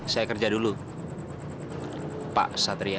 saya kerja dulu pak satria